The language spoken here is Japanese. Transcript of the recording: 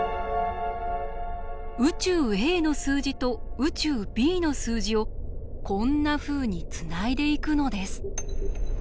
宇宙Ａの数字と宇宙Ｂの数字をこんなふうにつないでいくのです。